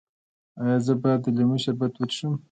ایا زه باید د لیمو شربت وڅښم؟